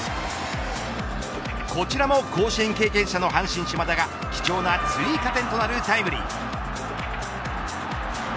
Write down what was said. こちらも甲子園経験者の阪神、島田が貴重な追加点となるタイムリー。